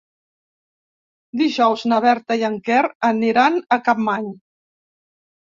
Dijous na Berta i en Quer aniran a Capmany.